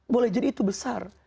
boleh jadi itu besar